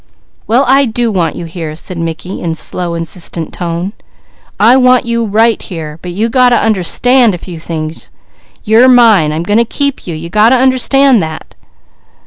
"Well I do want you here," said Mickey in slow insistent tone. "I want you right here! But you got to understand a few things. You're mine. I'm going to keep you; you got to understand that."